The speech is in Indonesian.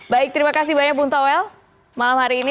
baik terima kasih banyak bung toel malam hari ini